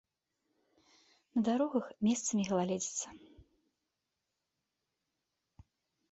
На дарогах месцамі галалёдзіца.